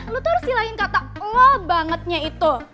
lo tuh harus silahin kata lo bangetnya itu